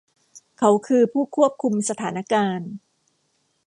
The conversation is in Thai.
เขาคือผู้ควบคุมสถานการณ์